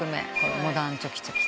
モダンチョキチョキズ。